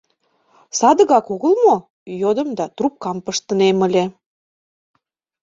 — Садыгак огыл мо? — йодым да трубкам пыштынем ыле.